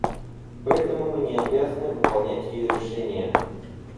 Поэтому мы не обязаны выполнять ее решения.